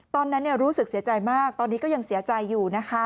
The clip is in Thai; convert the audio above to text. ตอนนั้นรู้สึกเสียใจมากตอนนี้ก็ยังเสียใจอยู่นะคะ